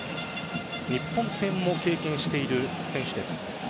日本戦も経験している選手です。